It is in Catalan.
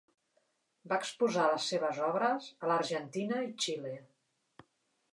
Va exposar les seves obres a l'Argentina i Xile.